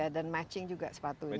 dan matching juga sepatunya